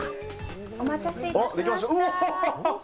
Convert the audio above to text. お待たせいたしました！